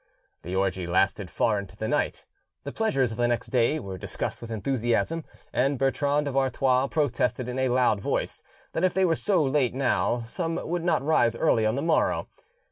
The orgy lasted far into the night: the pleasures of the next day were discussed with enthusiasm, and Bertrand of Artois protested in a loud voice that if they were so late now some would not rise early on the morrow.